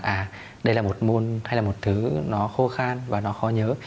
à đây là một môn hay là một thứ nó khô khan và nó khó nhớ